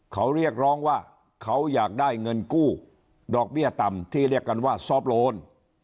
เขาเรียกร้องว่าเขาอยากได้เงินกู้ดอกเบี้ยต่ำที่เรียกกันว่าซอฟต์โลน